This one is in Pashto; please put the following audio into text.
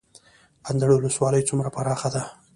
اندړ ولسوالۍ څومره پراخه ده؟